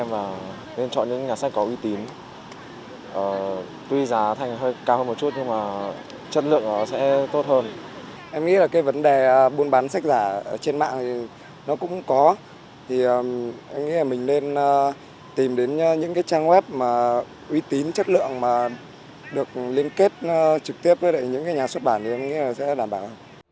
vì thế buôn bán sách giả trên mạng cũng có mình nên tìm đến những trang web uy tín chất lượng được liên kết trực tiếp với những nhà xuất bản thì sẽ đảm bảo